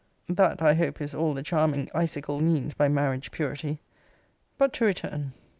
That, I hope, is all the charming icicle means by marriage purity, but to return.